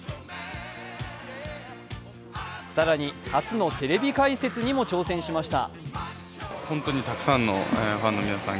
更に、初のテレビ解説にも挑戦しました。